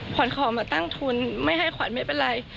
ขวัญขอมาตั้งทุนไม่ให้ขวัญไม่เป็นไร